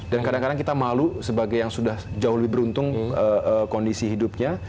dan kadang kadang kita malu sebagai yang sudah jauh lebih beruntung kondisi hidupnya